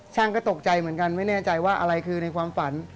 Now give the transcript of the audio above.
ก็ตกใจเหมือนกันไม่แน่ใจว่าอะไรคือในความฝัน